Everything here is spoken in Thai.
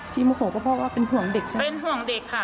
โมโหก็เพราะว่าเป็นห่วงเด็กใช่ไหมเป็นห่วงเด็กค่ะ